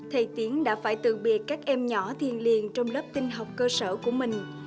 thầy tiến đã phải tự biệt các em nhỏ thiền liền trong lớp tinh học cơ sở của mình